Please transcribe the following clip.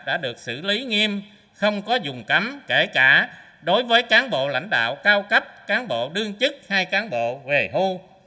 đã được xử lý nghiêm không có dùng cấm kể cả đối với cán bộ lãnh đạo cao cấp cán bộ đương chức hay cán bộ về thu